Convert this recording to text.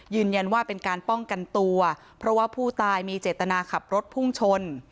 ยืนยันว่าเป็นการป้องกันตัวเพราะว่าผู้ตายมีเจตนาขับรถพุ่งชน